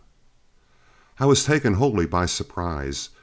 XII I was taken wholly by surprise.